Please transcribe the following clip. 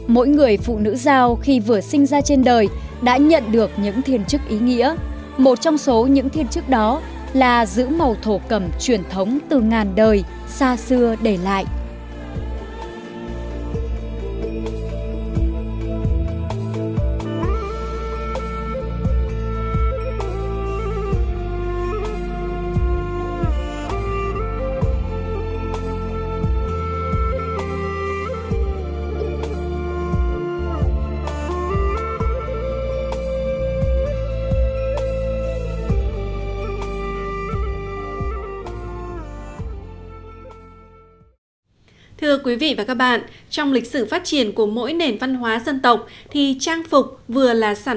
mỗi người phụ nữ giao khi vừa sinh ra trên đời đã nhận được những lời hát bổng hào của người phụ nữ i anatolians